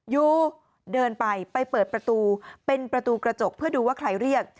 อยู่เดินไปไปเปิดประตูเป็นประตูกระจกเพื่อดูว่าใครเรียก